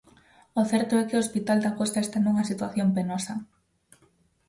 O certo é que o Hospital da Costa está nunha situación penosa.